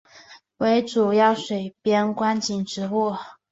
为主要水边观景植物。